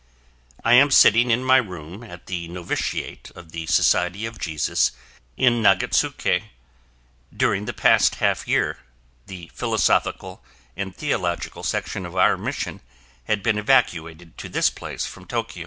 I am sitting in my room at the Novitiate of the Society of Jesus in Nagatsuke; during the past half year, the philosophical and theological section of our Mission had been evacuated to this place from Tokyo.